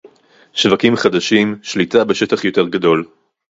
שווקים חדשים, שליטה בשטח יותר גדול